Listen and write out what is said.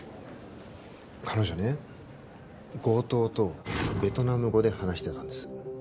彼女ね強盗とベトナム語で話してたんです